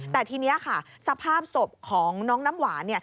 แต่ทีนี้ค่ะสภาพศพของน้องน้ำหวาน